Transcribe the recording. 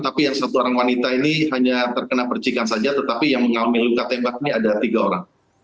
tapi yang satu orang wanita ini hanya terkena percikan saja tetapi yang mengalami luka tembak ini ada tiga orang